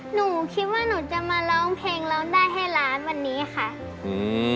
หนูคิดว่าหนูจะมาร้องเพลงร้องได้ให้ล้านวันนี้ค่ะอืม